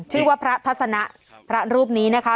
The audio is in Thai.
ชื่อว่าพระทัศนะพระรูปนี้นะคะ